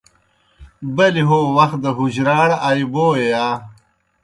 بَلِیْ ہو وخ دہ حجراڑ آیوئے یا؟